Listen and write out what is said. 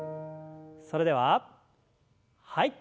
それでははい。